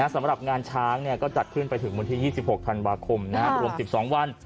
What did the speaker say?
สำหรับงานช้างก็จัดขึ้นไปถึงวันที่๒๖ธันวาคมรวม๑๒วัน